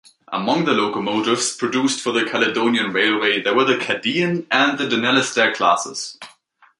Among the locomotives produced for the Caledonian Railway were the "Cardean" and "Dunalastair" Classes.